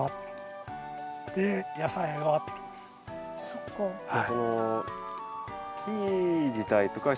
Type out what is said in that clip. そっか。